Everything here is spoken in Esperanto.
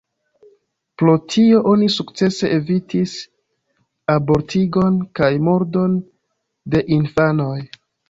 Pro tio oni sukcese evitis abortigon kaj murdon de infanoj.